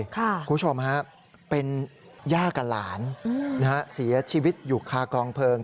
คุณผู้ชมฮะเป็นย่ากับหลานเสียชีวิตอยู่คากองเพลิง